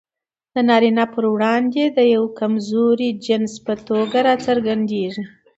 د نارينه پر وړاندې د يوه کمزوري جنس په توګه راڅرګندېږي.